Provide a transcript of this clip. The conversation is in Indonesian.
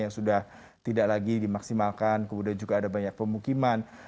yang sudah tidak lagi dimaksimalkan kemudian juga ada banyak pemukiman